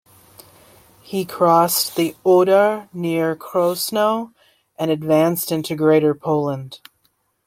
He crossed the Oder near Krosno and advanced into Greater Poland.